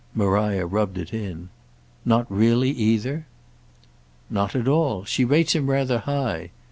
Maria rubbed it in. "Not really either?" "Not at all. She rates him rather high."